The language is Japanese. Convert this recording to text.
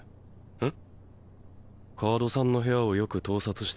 えっ！？